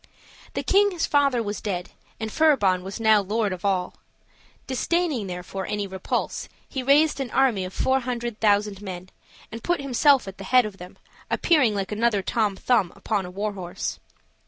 The king his father was dead, and Furibon was now lord of all: disdaining, therefore, any repulse, he raised an army of four hundred thousand men, and put himself at the head of them, appearing like another Tom Thumb upon a war horse.